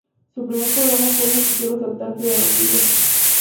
Su primer programa fue el noticiero estatal Telenoticias.